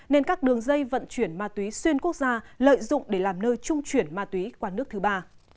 nên các đường dây vận chuyển ma túy xuyên quốc gia lợi dụng để làm nơi trung chuyển ma túy qua nước thứ ba